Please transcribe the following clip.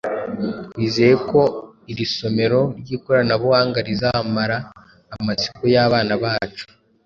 Twizeye ko iri somero ry’ikoranabuhanga rizamara amatsiko y’abana bacu